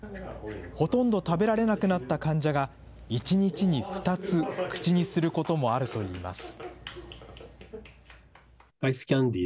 ほとんど食べられなくなった患者が、１日に２つ口にすることもあるといいます。